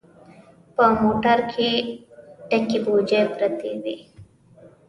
په موټر کې ډکې بوجۍ پرتې وې.